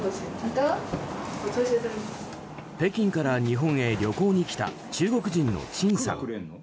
北京から日本へ旅行に来た中国人のチンさん。